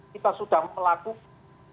kita sudah melakukan